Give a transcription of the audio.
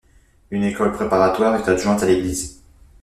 Une école préparatoire est adjointe à l'église.